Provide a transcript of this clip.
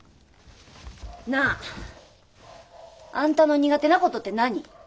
なああんたの苦手なことって何？